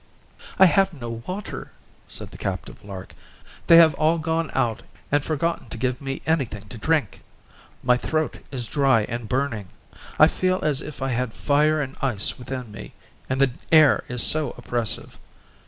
"I have no water," said the captive lark, "they have all gone out, and forgotten to give me anything to drink. My throat is dry and burning. I feel as if I had fire and ice within me, and the air is so oppressive.